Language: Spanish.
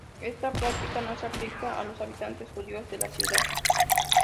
Esta práctica no se aplica a los habitantes judíos de la ciudad.